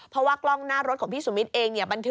เพราะว่ากล้องหน้ารถของพี่สุมิตรเองเนี่ย